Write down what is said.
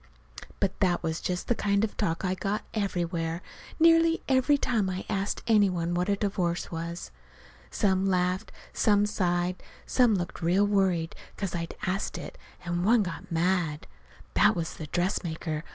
But that was just the kind of talk I got, everywhere, nearly every time I asked any one what a divorce was. Some laughed, and some sighed. Some looked real worried 'cause I'd asked it, and one got mad. (That was the dressmaker.